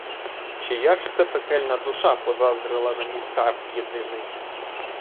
Чия ж це пекельна душа позаздрила на мій скарб єдиний?